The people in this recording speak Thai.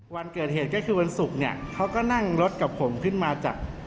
วันเกิดเหตุก็คือวันศุกร์เนี่ยเขาก็นั่งรถกับผมขึ้นมาจาก